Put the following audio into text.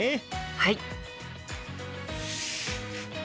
はい。